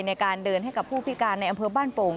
ในการเดินให้กับผู้พิการในอำเภอบ้านโป่ง